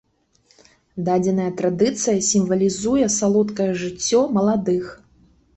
Дадзеная традыцыя сімвалізуе салодкае жыццё маладых.